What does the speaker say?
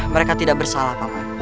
mereka tidak bersalah paman